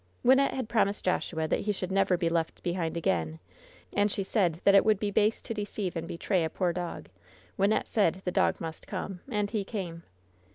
Wynnette had promised Joshua that he should never be left behind again, and she said that it would be base to deceive and betray a poor dog. Wynnette said the dog must come, and he came.